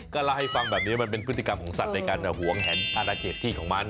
ก็เล่าให้ฟังแบบนี้มันเป็นพฤติกรรมของสัตว์ในการหวงแหนอนาเขตที่ของมัน